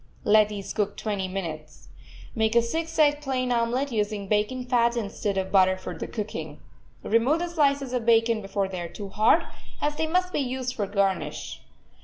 Let these cook twenty minutes. Make a six egg plain omelet, using bacon fat instead of butter for the cooking. Remove the slices of bacon before they are too hard, as they must be used for a garnish.